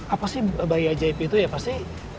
apa sih bayi ajaib itu ya pasti